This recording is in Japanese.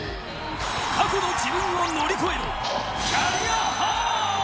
過去の自分を乗り越えろ！